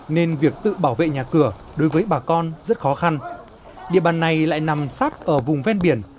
nên việc tự bảo vệ nhà cửa đối với bà con rất khó khăn địa bàn này lại nằm sát ở vùng ven biển